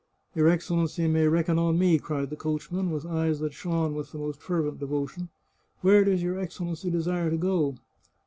" Your Excellency may reckon on me," cried the coach man, with eyes that shone with the most fervent devotion. " Where does your Excellency desire to gO